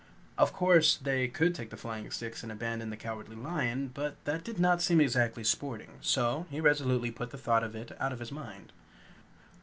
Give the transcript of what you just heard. Of course, they could take to the flying sticks and abandon the Cowardly Lion, but that did not seem exactly sporting. So he resolutely put the thought of it out of his mind.